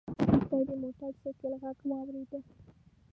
وروسته يې د موټر سايکل غږ واورېد.